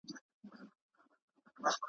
خولگۍ راکه شل کلنی پسرلی رانه تېرېږی,